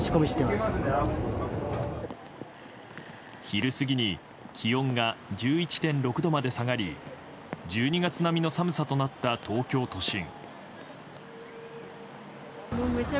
昼過ぎに気温が１１．６度まで下がり１２月中旬並みの寒さとなった東京都心。